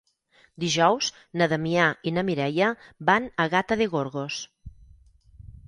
Dijous na Damià i na Mireia van a Gata de Gorgos.